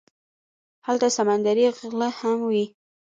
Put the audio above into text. هلته سمندري غله هم وي.